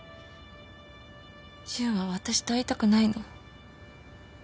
ジュンは私と会いたくないの？